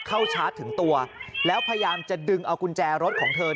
ชาร์จถึงตัวแล้วพยายามจะดึงเอากุญแจรถของเธอ